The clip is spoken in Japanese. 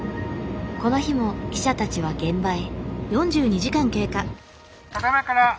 この日も記者たちは現場へ。